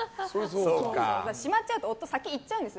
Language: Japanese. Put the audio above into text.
閉まっちゃうと夫が先に行っちゃうんですよ。